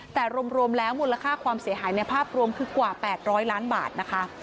แต่รวมแล้วมูลค่าความเสียหายในภาพรวมคือกว่า๘๐๐ล้านบาทนะคะ